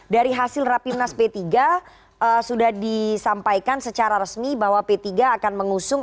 dari hasil rapimnas p tiga sudah disampaikan secara resmi bahwa p tiga akan mengusung